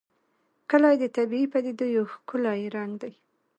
کلي د طبیعي پدیدو یو ښکلی رنګ دی.